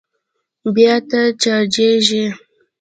بيا نه چارجېږي.